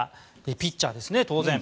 ピッチャーですね、当然。